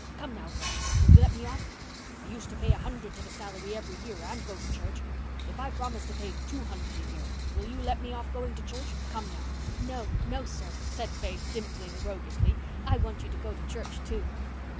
Come now, girl, will you let me off? I used to pay a hundred to the salary every year and go to church. If I promise to pay two hundred a year will you let me off going to church? Come now!" "No, no, sir," said Faith, dimpling roguishly. "I want you to go to church, too."